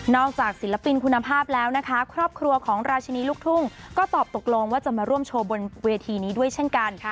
ศิลปินคุณภาพแล้วนะคะครอบครัวของราชินีลูกทุ่งก็ตอบตกลงว่าจะมาร่วมโชว์บนเวทีนี้ด้วยเช่นกันค่ะ